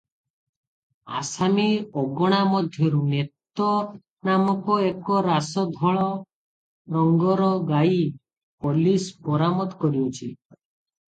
ଆସାମୀ ଅଗଣା ମଧ୍ୟରୁ ନେତ ନାମକ ଏକରାସ ଧଳା ରଙ୍ଗର ଗାଈ ପୋଲିସ ବରାମଦ କରିଅଛି ।